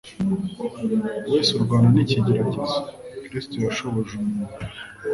wese urwana n’ikigeragezo. Kristo yashoboje umuntu